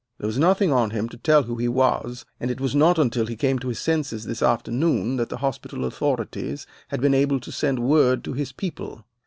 There was nothing on him to tell who he was, and it was not until he came to his senses this afternoon that the hospital authorities had been able to send word to his people.